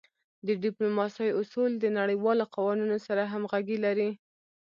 د ډیپلوماسی اصول د نړیوالو قوانینو سره همږغي لری.